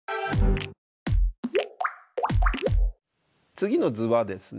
次の図はですね